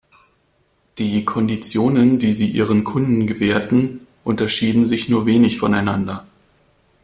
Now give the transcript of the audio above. Die Konditionen, die sie ihren Kunden gewährten, unterschieden sich nur wenig voneinander.